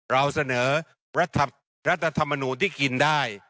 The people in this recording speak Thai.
เราเสนอรัฐธรรมนูลที่กินได้